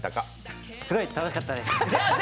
すごい楽しかったです。